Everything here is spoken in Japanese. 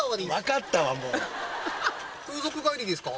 分かったわもう風俗帰りですか？